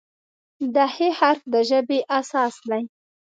د "خ" حرف د ژبې اساس دی.